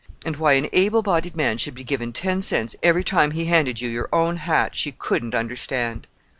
And why an able bodied man should be given ten cents every time he handed you your own hat, she couldn't understand.